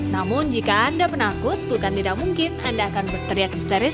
namun jika anda menakut bukan tidak mungkin anda akan berteriak histeris